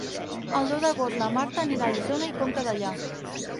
El deu d'agost na Marta anirà a Isona i Conca Dellà.